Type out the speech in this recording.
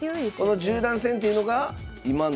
この十段戦というのが今の？